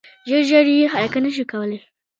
ژر ژر یې حرکت نه شو کولای .